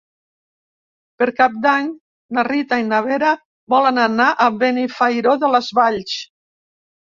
Per Cap d'Any na Rita i na Vera volen anar a Benifairó de les Valls.